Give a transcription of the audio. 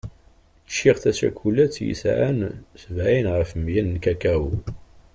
Ččiɣ tacakulat yesɛan sebɛin ɣef meyya n kakao.